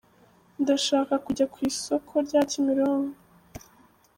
Ndashaka kujya ku isoko ry'a Kimironko.